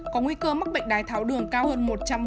có nguy cơ mắc bệnh đài tháo đường cao hơn một trăm một mươi hai